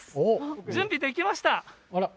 準備できました。